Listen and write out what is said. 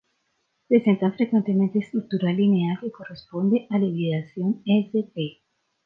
Presentan frecuentemente estructura lineal que corresponde a la hibridación sp.